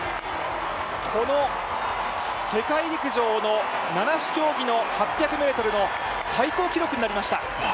この世界陸上の七種競技の８００ｍの最高記録となりました。